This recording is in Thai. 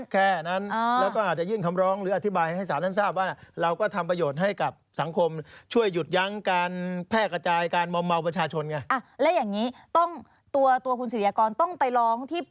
แค่นั้นแค่นั้นแล้วก็อาจจะยื่นคำร้อง